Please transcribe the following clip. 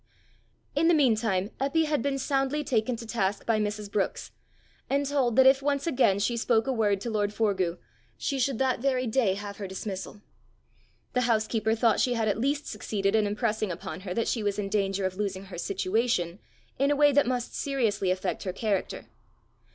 In the meantime Eppy had been soundly taken to task by Mrs. Brookes, and told that if once again she spoke a word to lord Forgue, she should that very day have her dismissal. The housekeeper thought she had at least succeeded in impressing upon her that she was in danger of losing her situation in a way that must seriously affect her character.